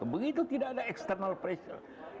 begitu tidak ada external pressure